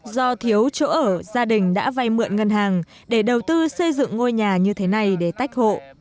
do thiếu chỗ ở gia đình đã vay mượn ngân hàng để đầu tư xây dựng ngôi nhà như thế này để tách hộ